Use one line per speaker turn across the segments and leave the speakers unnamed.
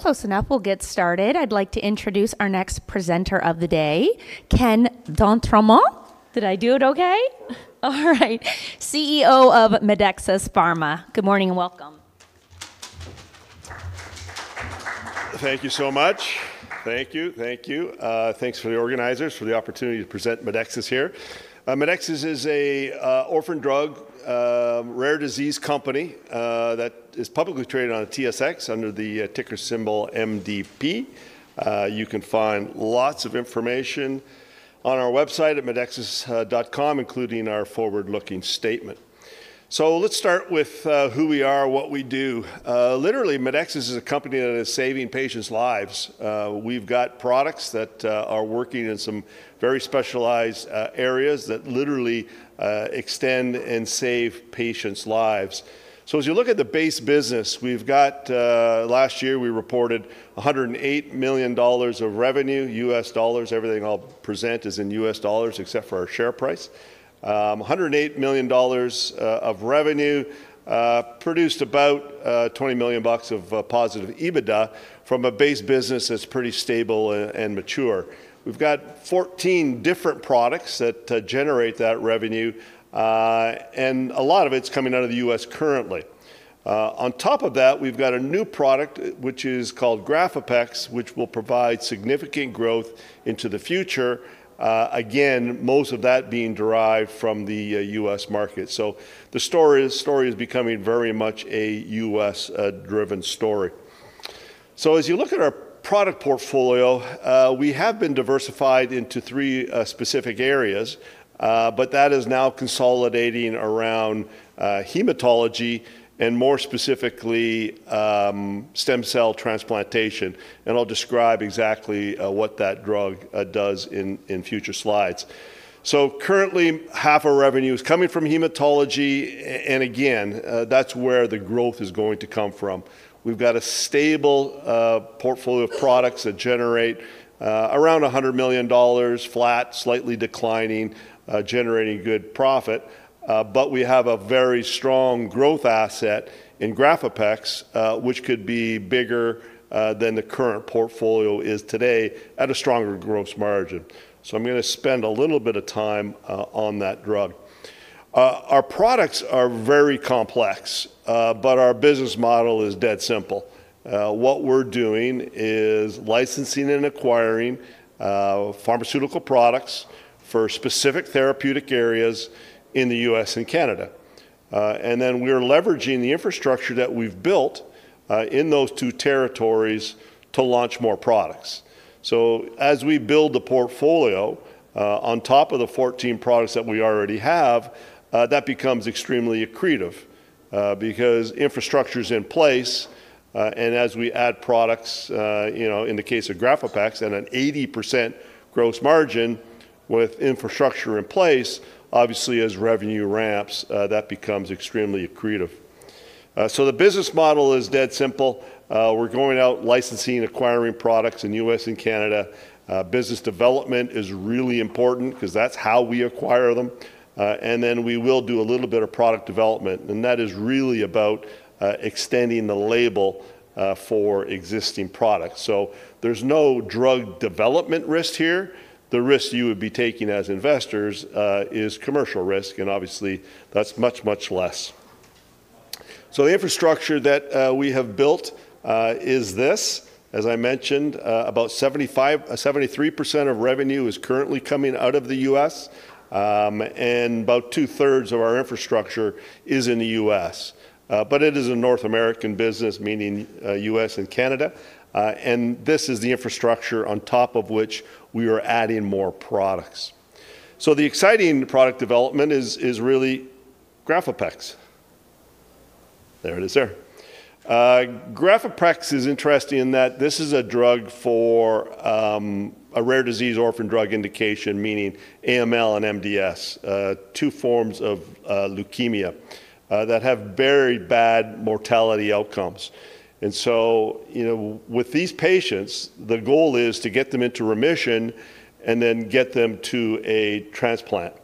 Close enough. We'll get started. I'd like to introduce our next presenter of the day, Ken d'Entremont. Did I do it okay? All right. CEO of Medexus Pharmaceuticals. Good morning and welcome.
Thank you so much. Thank you. Thank you. Thanks for the organizers for the opportunity to present Medexus here. Medexus is a orphan drug, rare disease company that is publicly traded on the TSX under the ticker symbol MDP. You can find lots of information on our website at medexus.com, including our forward-looking statement. Let's start with who we are, what we do. Literally, Medexus is a company that is saving patients' lives. We've got products that are working in some very specialized areas that literally extend and save patients' lives. As you look at the base business, we've got last year we reported $108 million of revenue, U.S. dollars. Everything I'll present is in U.S. dollars except for our share price. $108 million of revenue produced about $20 million of positive EBITDA from a base business that's pretty stable and mature. We've got 14 different products that generate that revenue, and a lot of it's coming out of the U.S. currently. On top of that, we've got a new product, which is called GRAFAPEX, which will provide significant growth into the future. Again, most of that being derived from the U.S. market. The story is becoming very much a U.S. driven story. As you look at our product portfolio, we have been diversified into three specific areas, but that is now consolidating around hematology and more specifically, stem cell transplantation. I'll describe exactly what that drug does in future slides. Currently, half our revenue is coming from hematology, and again, that's where the growth is going to come from. We've got a stable portfolio of products that generate around $100 million flat, slightly declining, generating good profit. We have a very strong growth asset in GRAFAPEX, which could be bigger than the current portfolio is today at a stronger gross margin. I'm gonna spend a little bit of time on that drug. Our products are very complex, but our business model is dead simple. What we're doing is licensing and acquiring pharmaceutical products for specific therapeutic areas in the U.S. and Canada. We're leveraging the infrastructure that we've built in those two territories to launch more products. As we build the portfolio, on top of the 14 products that we already have, that becomes extremely accretive, because infrastructure's in place, and as we add products, you know, in the case of GRAFAPEX at an 80% gross margin with infrastructure in place, obviously as revenue ramps, that becomes extremely accretive. The business model is dead simple. We're going out licensing and acquiring products in U.S. and Canada. Business development is really important 'cause that's how we acquire them. We will do a little bit of product development, and that is really about extending the label for existing products. There's no drug development risk here. The risk you would be taking as investors is commercial risk, and obviously that's much less. The infrastructure that we have built is this. As I mentioned, about 73% of revenue is currently coming out of the U.S., and about 2/3 of our infrastructure is in the U.S. But it is a North American business, meaning, U.S. and Canada, this is the infrastructure on top of which we are adding more products. The exciting product development is really GRAFAPEX. There it is there. GRAFAPEX is interesting in that this is a drug for a rare disease orphan drug indication, meaning AML and MDS, 2 forms of leukemia that have very bad mortality outcomes. You know, with these patients, the goal is to get them into remission and then get them to a transplant.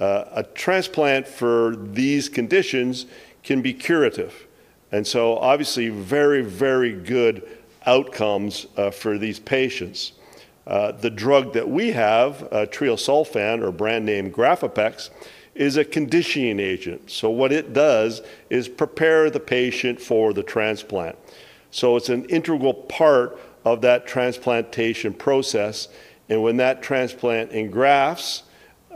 A transplant for these conditions can be curative, obviously very, very good outcomes for these patients. The drug that we have, treosulfan or brand name GRAFAPEX, is a conditioning agent. What it does is prepare the patient for the transplant. It's an integral part of that transplantation process, when that transplant engrafts,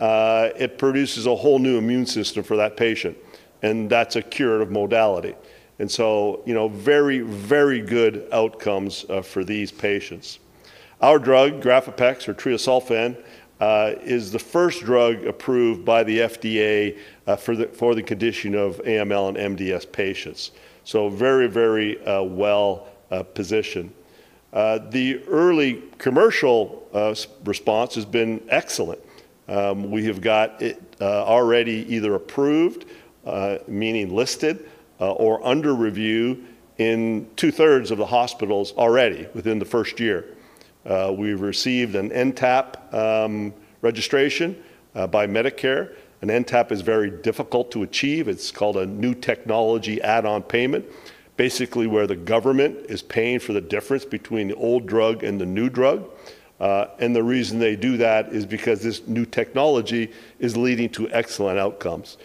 it produces a whole new immune system for that patient, that's a curative modality. You know, very, very good outcomes for these patients. Our drug, GRAFAPEX or treosulfan, is the first drug approved by the FDA for the condition of AML and MDS patients, very, very well positioned. The early commercial response has been excellent. We have got it already either approved, meaning listed, or under review in 2/3 of the hospitals already within the first year. We've received an NTAP registration by Medicare. An NTAP is very difficult to achieve. It's called a New Technology Add-on Payment, basically where the government is paying for the difference between the old drug and the new drug. The reason they do that is because this new technology is leading to excellent outcomes.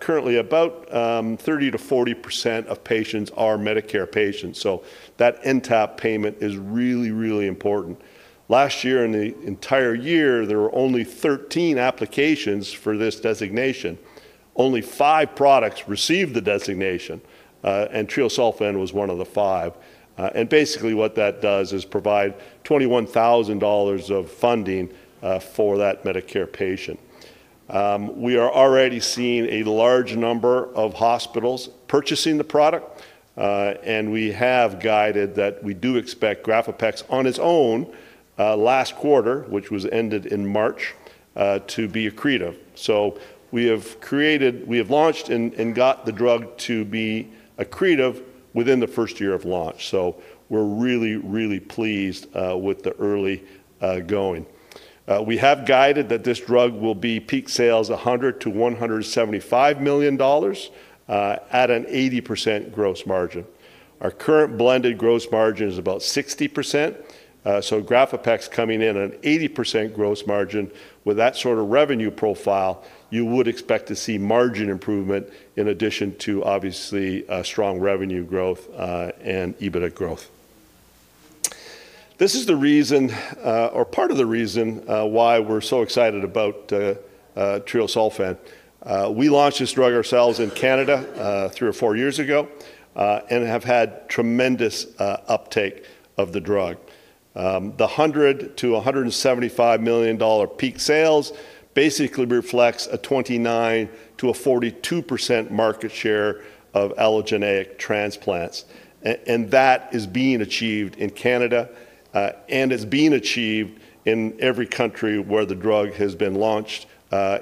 Currently, about 30%-40% of patients are Medicare patients, so that NTAP payment is really, really important. Last year, in the entire year, there were only 13 applications for this designation. Only five products received the designation, and treosulfan was one of the five. Basically what that does is provide $21,000 of funding for that Medicare patient. We are already seeing a large number of hospitals purchasing the product, and we have guided that we do expect GRAFAPEX on its own, last quarter, which was ended in March, to be accretive. We have launched and got the drug to be accretive within the first year of launch. We're really pleased with the early going. We have guided that this drug will be peak sales $100 million-$175 million at an 80% gross margin. Our current blended gross margin is about 60%, GRAFAPEX coming in at an 80% gross margin. With that sort of revenue profile, you would expect to see margin improvement in addition to obviously, strong revenue growth, and EBITDA growth. This is the reason, or part of the reason, why we're so excited about treosulfan. We launched this drug ourselves in Canada, three or four years ago, and have had tremendous uptake of the drug. The $100 million-$175 million peak sales basically reflects a 29%-42% market share of allogeneic transplants. That is being achieved in Canada, and is being achieved in every country where the drug has been launched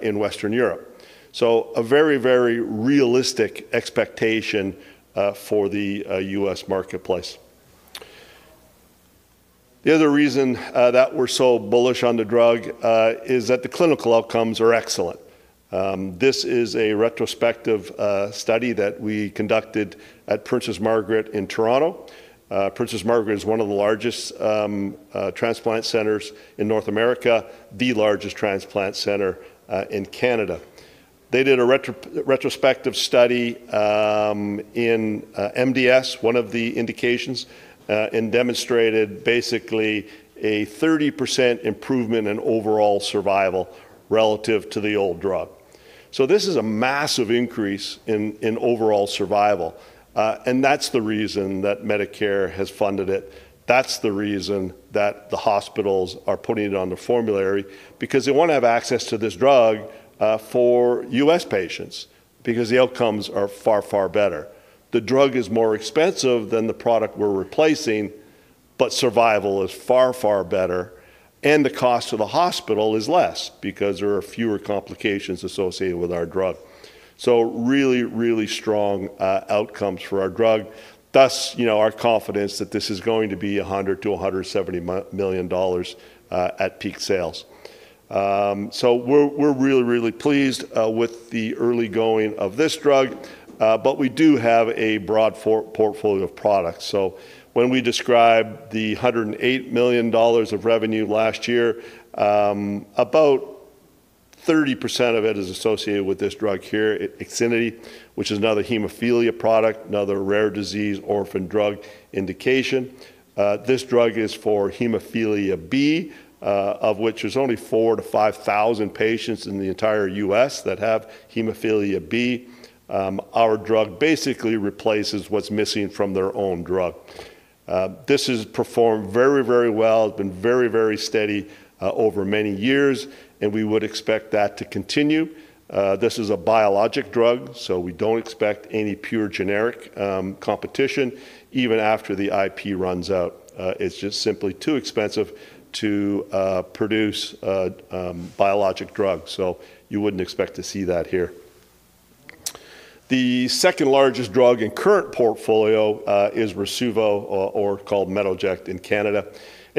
in Western Europe. A very, very realistic expectation for the U.S. marketplace. The other reason that we're so bullish on the drug is that the clinical outcomes are excellent. This is a retrospective study that we conducted at Princess Margaret in Toronto. Princess Margaret is one of the largest transplant centers in North America, the largest transplant center in Canada. They did a retrospective study in MDS, one of the indications, and demonstrated basically a 30% improvement in overall survival relative to the old drug. This is a massive increase in overall survival. That's the reason that Medicare has funded it. That's the reason that the hospitals are putting it on the formulary, because they want to have access to this drug for U.S. patients, because the outcomes are far, far better. The drug is more expensive than the product we're replacing, survival is far, far better, and the cost to the hospital is less because there are fewer complications associated with our drug. Really, really strong outcomes for our drug. Our confidence that this is going to be $100 million-$170 million at peak sales. We're really pleased with the early going of this drug, we do have a broad portfolio of products. When we describe the $108 million of revenue last year, about 30% of it is associated with this drug here, IXINITY, which is another hemophilia product, another rare disease orphan drug indication. This drug is for hemophilia B, of which there's only 4,000-5,000 patients in the entire U.S. that have hemophilia B. Our drug basically replaces what's missing from their own drug. This has performed very, very well. It's been very, very steady over many years, we would expect that to continue. This is a biologic drug, so we don't expect any pure generic competition even after the IP runs out. It's just simply too expensive to produce a biologic drug. You wouldn't expect to see that here. The second-largest drug in current portfolio is Rasuvo or called Metoject in Canada.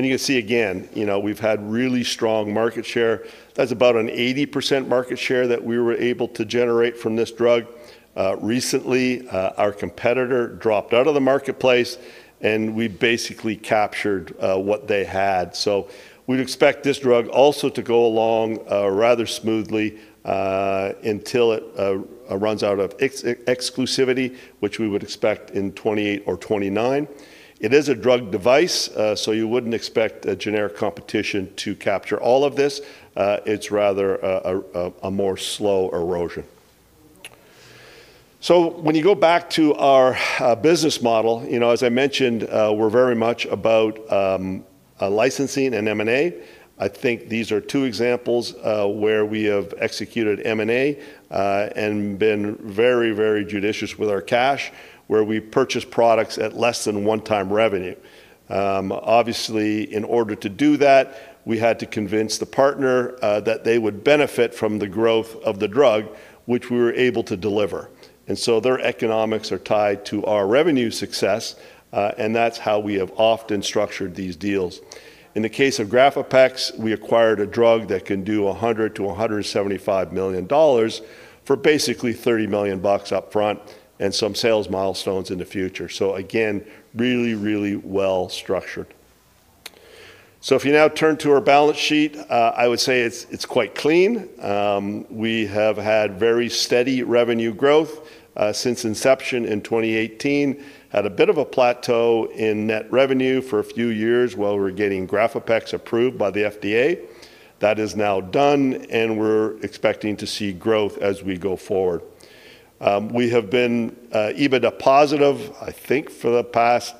You can see again, you know, we've had really strong market share. That's about an 80% market share that we were able to generate from this drug. Recently, our competitor dropped out of the marketplace, and we basically captured what they had. We'd expect this drug also to go along rather smoothly until it runs out of exclusivity, which we would expect in 2028 or 2029. It is a drug device, you wouldn't expect a generic competition to capture all of this. It's rather a more slow erosion. When you go back to our business model, you know, as I mentioned, we're very much about licensing and M&A. I think these are two examples, where we have executed M&A, and been very judicious with our cash, where we purchase products at less than one-time revenue. Obviously, in order to do that, we had to convince the partner, that they would benefit from the growth of the drug, which we were able to deliver. Their economics are tied to our revenue success, and that's how we have often structured these deals. In the case of GRAFAPEX, we acquired a drug that can do $100 million-$175 million for basically $30 million up front and some sales milestones in the future. Again, really, really well structured. If you now turn to our balance sheet, I would say it's quite clean. We have had very steady revenue growth since inception in 2018. Had a bit of a plateau in net revenue for a few years while we were getting GRAFAPEX approved by the FDA. That is now done, and we're expecting to see growth as we go forward. We have been EBITDA positive, I think, for the past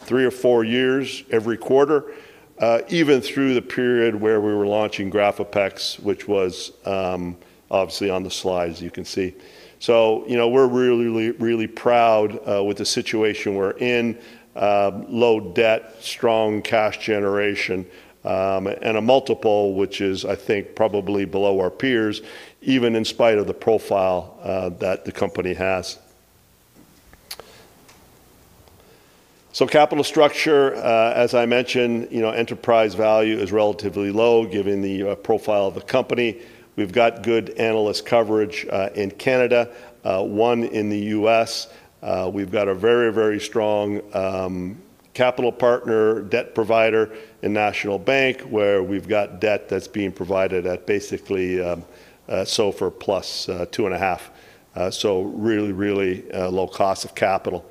three or four years every quarter, even through the period where we were launching GRAFAPEX, which was obviously on the slides, you can see. You know, we're really, really, really proud with the situation we're in. Low debt, strong cash generation, and a multiple which is, I think, probably below our peers, even in spite of the profile that the company has. Capital structure, as I mentioned, you know, enterprise value is relatively low given the profile of the company. We've got good analyst coverage in Canada, one in the U.S. We've got a very, very strong capital partner, debt provider in National Bank, where we've got debt that's being provided at basically SOFR plus 2.5, really, really low cost of capital.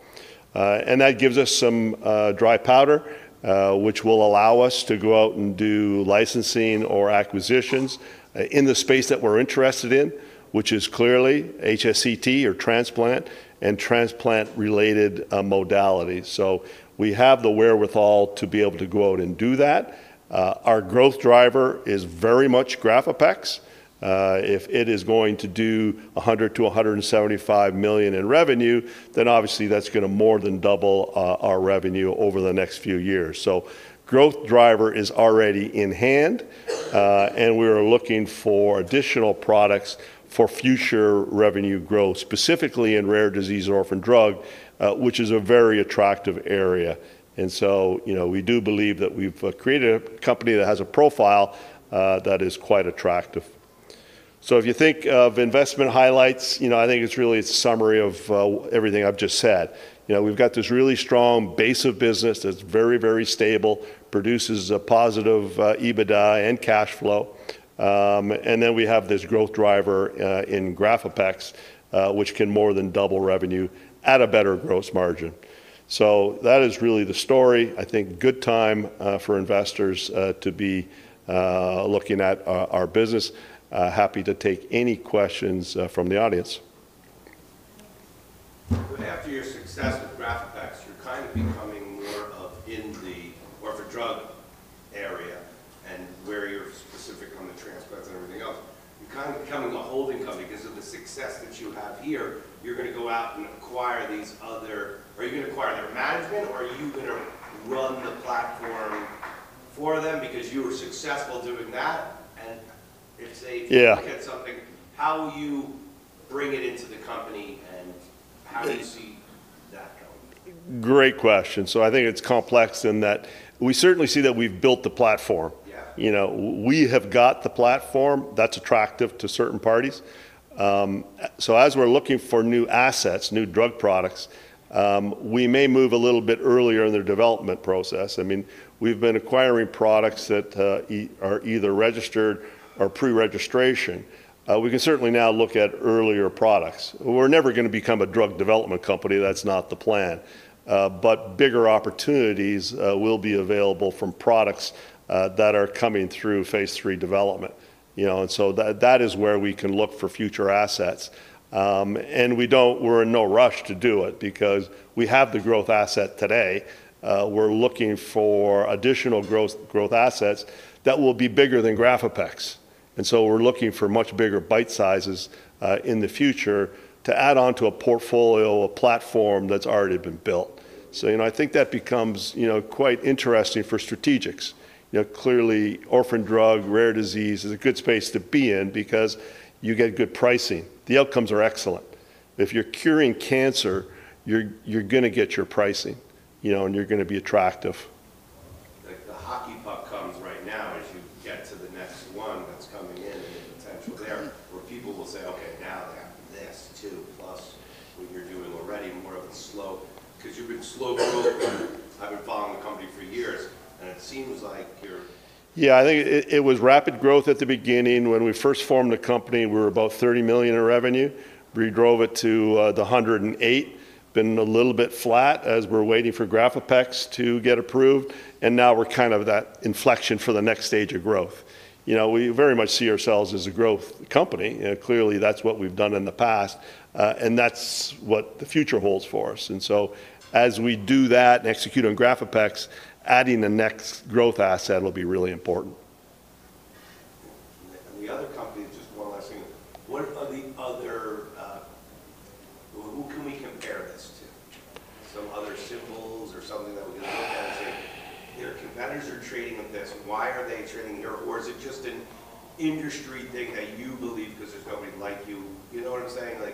That gives us some dry powder, which will allow us to go out and do licensing or acquisitions in the space that we're interested in, which is clearly HSCT or transplant and transplant-related modalities. We have the wherewithal to be able to go out and do that. Our growth driver is very much GRAFAPEX. If it is going to do $100 million-$175 million in revenue, obviously that's going to more than double our revenue over the next few years. Growth driver is already in hand, and we are looking for additional products for future revenue growth, specifically in rare disease and orphan drug, which is a very attractive area. You know, we do believe that we've created a company that has a profile that is quite attractive. If you think of investment highlights, you know, I think it's really a summary of everything I've just said. You know, we've got this really strong base of business that's very, very stable, produces a positive EBITDA and cash flow. We have this growth driver in GRAFAPEX, which can more than double revenue at a better gross margin. That is really the story. I think good time for investors to be looking at our business. Happy to take any questions from the audience.
After your success with GRAFAPEX, you're kind of becoming more of in the orphan drug area and where you're specific on the transplants and everything else. You're kind of becoming a holding company because of the success that you have here. You're gonna go out and acquire. Are you gonna acquire their management, or are you gonna run the platform for them because you were successful doing that?
Yeah
you look at something, how you bring it into the company, and how do you see that going?
Great question. I think it's complex in that we certainly see that we've built the platform.
Yeah.
You know, we have got the platform that's attractive to certain parties. As we're looking for new assets, new drug products, we may move a little bit earlier in their development process. I mean, we've been acquiring products that are either registered or pre-registration. We can certainly now look at earlier products. We're never gonna become a drug development company. That's not the plan. Bigger opportunities will be available from products that are coming through phase III development, you know. That is where we can look for future assets. We're in no rush to do it because we have the growth asset today. We're looking for additional growth assets that will be bigger than GRAFAPEX. We're looking for much bigger bite sizes in the future to add on to a portfolio, a platform that's already been built. You know, I think that becomes, you know, quite interesting for strategics. You know, clearly orphan drug, rare disease is a good space to be in because you get good pricing. The outcomes are excellent. If you're curing cancer, you're gonna get your pricing, you know, and you're gonna be attractive.
Like, the hockey puck comes right now as you get to the next one that's coming in and the potential there, where people will say, "Okay, now they have this too," plus what you're doing already more of a slow 'Cause you've been slow growth. I've been following the company for years, and it seems like you're-.
Yeah, I think it was rapid growth at the beginning. When we first formed the company, we were about $30 million in revenue. We drove it to $108. Been a little bit flat as we're waiting for GRAFAPEX to get approved, now we're kind of that inflection for the next stage of growth. You know, we very much see ourselves as a growth company. You know, clearly that's what we've done in the past, that's what the future holds for us. As we do that and execute on GRAFAPEX, adding the next growth asset will be really important.
The other company, just one last thing. What are the other, who can we compare this to? Some other symbols or something that we can look at and say, "Their competitors are trading at this. Why are they trading here?" Is it just an industry thing that you believe 'cause there's nobody like you? You know what I'm saying?
Yeah.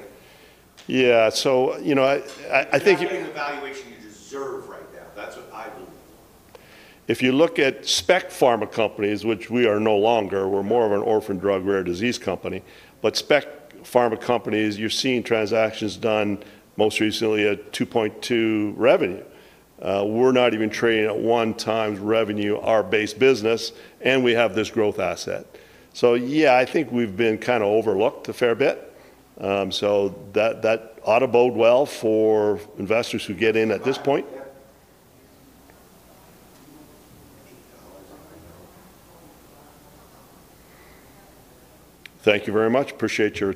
You're not getting the valuation you deserve right now. That's what I believe.
If you look at spec pharma companies, which we are no longer, we're more of an orphan drug, rare disease company, but spec pharma companies, you're seeing transactions done most recently at 2.2x revenue. We're not even trading at 1x revenue, our base business, and we have this growth asset. Yeah, I think we've been kinda overlooked a fair bit. That ought to bode well for investors who get in at this point. Thank you very much.